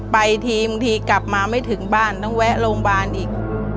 ไปทีบางทีกลับมาไม่ถึงบ้านต้องแวะโรงพยาบาลอีก